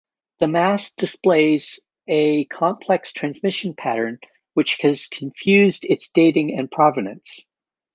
The mass displays a complex transmission pattern, which has confused its dating and provenance.